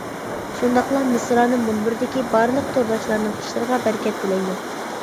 شۇنداقلا مىسرانىم مۇنبىرىدىكى بارلىق تورداشلارنىڭ ئىشلىرىغا بەرىكەت تىلەيمەن!